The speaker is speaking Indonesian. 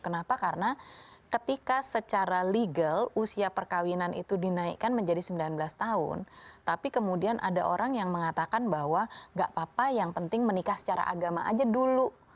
kenapa karena ketika secara legal usia perkawinan itu dinaikkan menjadi sembilan belas tahun tapi kemudian ada orang yang mengatakan bahwa gak apa apa yang penting menikah secara agama aja dulu